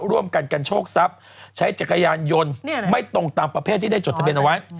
ร่วมกันกันโชคทรัพย์ใช้จักรยานยนต์ไม่ตรงตามประเภทที่ได้จดทะเบียนเอาไว้